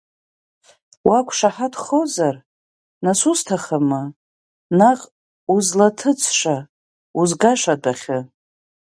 Уақәшаҳаҭхозар, нас усҭ ахамы, наҟ узлаҭыҵша, узгаша дәахьы.